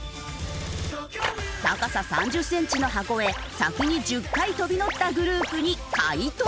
高さ３０センチの箱へ先に１０回跳び乗ったグループに解答権。